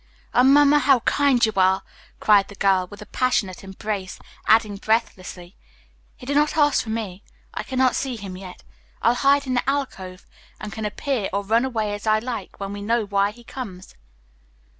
"Oh, Mamma, how kind you are!" cried the girl with a passionate embrace, adding breathlessly, "He did not ask for me. I cannot see him yet. I'll hide in the alcove, and can appear or run away as I like when we know why he comes."